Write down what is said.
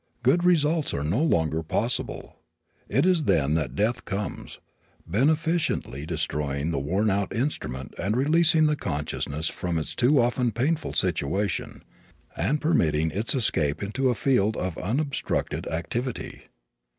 Good results are no longer possible. It is then that death comes, beneficently destroying the worn out instrument and releasing the consciousness from its too often painful situation and permitting its escape into a field of unobstructed activity.